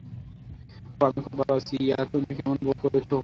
ওহ, আমি খুব ভালো আছি, ইয়াহ তুমি কেমন বোধ করছো?